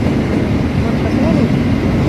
Толькы пӓлет...